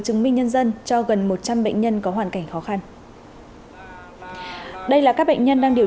chứng minh nhân dân cho gần một trăm linh bệnh nhân có hoàn cảnh khó khăn đây là các bệnh nhân đang điều